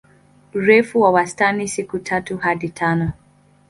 Urefu wa wastani siku tatu hadi tano.